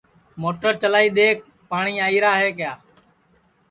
موٹر چلائی دؔیکھ پاٹؔی آئیرا ہے کیا